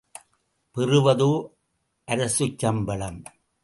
பெறுவதோ அரசுச் சம்பளம்.